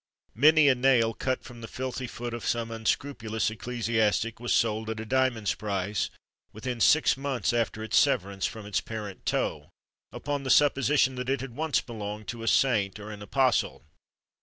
Many a nail, cut from the filthy foot of some unscrupulous ecclesiastic, was sold at a diamond's price, within six months after its severance from its parent toe, upon the supposition that it had once belonged to a saint or an apostle.